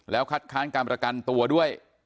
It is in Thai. คัดค้านการประกันตัวด้วย